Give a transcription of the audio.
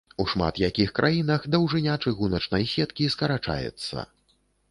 У шмат якіх краінах даўжыня чыгуначнай сеткі скарачаецца.